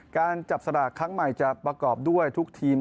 การจับสลากครั้งใหม่จะประกอบด้วยทุกทีม